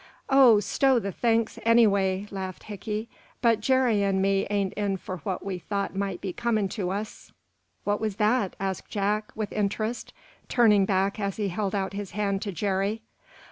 "Oh, stow the thanks, anyway," laughed Hickey. "But Jerry and me ain't in for what we thought might be coming to us." "What was that?" asked Jack, with interest, turning back as he held out his hand to Jerry.